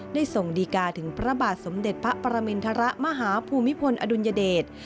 ส่งดีกาถึงพระบาทสมเด็จพระปรมินทรมาหาภูมิพลอดุลยเดช